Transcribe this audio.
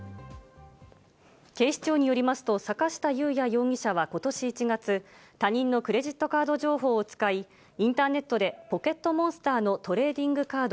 警視庁によりますと坂下裕也容疑者は今年１月、他人のクレジットカード情報を使い、インターネットで『ポケットモンスター』のトレーディングカード